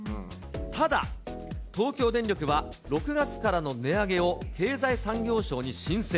ただ、東京電力は、６月からの値上げを経済産業省に申請。